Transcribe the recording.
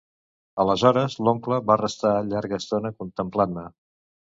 Aleshores l'oncle va restar llarga estona contemplant-me.